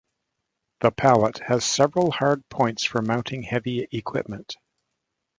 The pallet has several hard points for mounting heavy equipment.